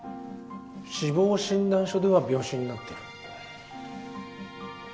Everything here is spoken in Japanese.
死亡診断書では病死になってる。